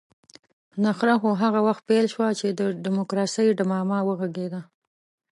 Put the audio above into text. نخره خو هغه وخت پيل شوه چې د ډيموکراسۍ ډمامه وغږېده.